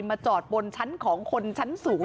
จอดบนชั้นของคนชั้นสูง